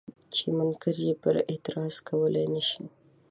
چې منکر پرې اعتراض کولی نه شي.